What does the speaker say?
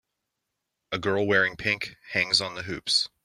a girl wearing pink hangs on the hoops.